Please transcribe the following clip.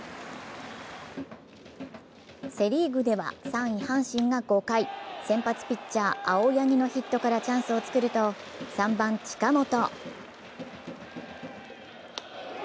セ・リーグでは３位・阪神が５回、先発ピッチャー・青柳のヒットからチャンスを作ると３番・近本。